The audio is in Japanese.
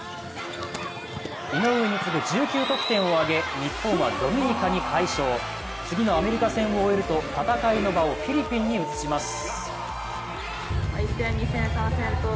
井上に次ぐ１９得点を挙げ日本はドミニカに快勝、次のアメリカ戦を終えると戦いの場をフィリピンに移します。